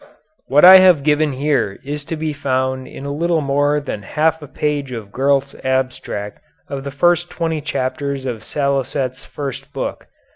What I have given here is to be found in a little more than half a page of Gurlt's abstract of the first twenty chapters of Salicet's first book.